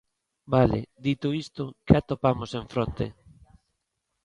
Vale, dito isto, ¿que atopamos en fronte?